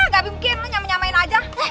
gak mungkin lu nyamain nyamain aja